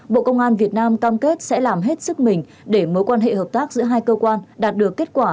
bộ công an việt nam cam kết sẽ làm hết sức mình để mối quan hệ hợp tác giữa hai cơ quan đạt được kết quả